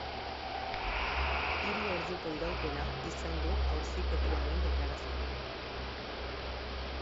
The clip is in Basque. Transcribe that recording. Hiru orduko iraupena izan du auzipetuaren deklarazioak.